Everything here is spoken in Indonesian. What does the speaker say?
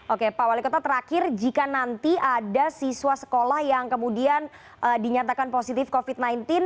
oke pak wali kota terakhir jika nanti ada siswa sekolah yang kemudian dinyatakan positif covid sembilan belas